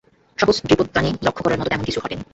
সহস্রদ্বীপোদ্যানে লক্ষ্য করার মত তেমন কিছু ঘটেনি।